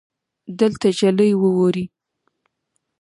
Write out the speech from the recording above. دلته ژلۍ ووري